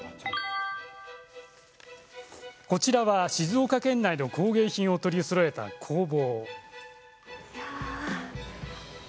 こちらは静岡県内の工芸品を取りそろえた工房。